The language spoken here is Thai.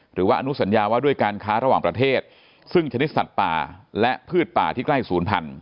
หรือว่าอนุสัญญาว่าด้วยการค้าระหว่างประเทศซึ่งชนิดสัตว์ป่าและพืชป่าที่ใกล้ศูนย์พันธ